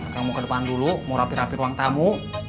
kamu ke depan dulu mau rapir rapir uang tamu